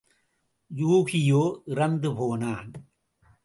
யூகியோ இறந்து போனான்.